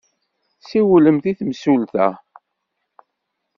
Siwlemt i temsulta.